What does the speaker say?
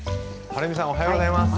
はるみさんおはようございます。